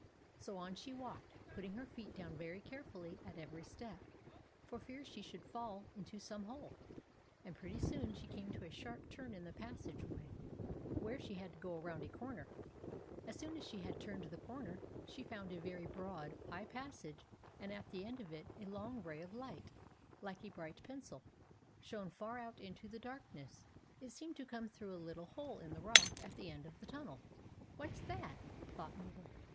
So on she walked, putting her feet down very carefully at every step, for fear she should fall into some hole ; and pretty soon she came to a sharp turn in the passage way, where she had to go around a corner. As soon as she had turned the corner, she found a very broad, high passage ; and at the end of it a long ray of light, like a bright pencil, shone far out into the dark 1 84 THE ADVENTURES OF MABEL ness. It seemed to come through a little hole in the rock at the end of the tunnel. "What's that?" thought Mabel.